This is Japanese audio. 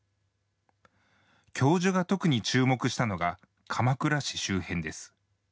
教授が特に注目したのが鎌倉市周辺です。